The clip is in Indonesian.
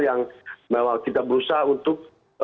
yang kita berusaha untuk